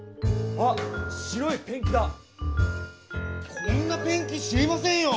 こんなペンキ知りませんよ！